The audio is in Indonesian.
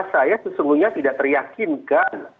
saya sesungguhnya tidak teryakinkan